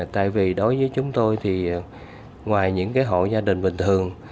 tại vì đối với chúng tôi thì ngoài những hộ gia đình bình thường